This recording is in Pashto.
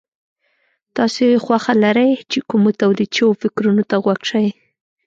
تاسې خوښه لرئ چې کومو توليد شوو فکرونو ته غوږ شئ.